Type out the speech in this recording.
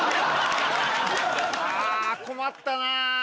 あぁ困ったなぁ。